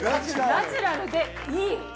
ナチュラルでいい！